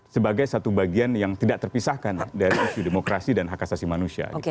sebagai satu bagian yang tidak terpisahkan dari isu demokrasi dan hak asasi manusia